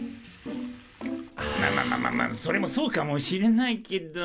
まあまあまあまあまあそれもそうかもしれないけど。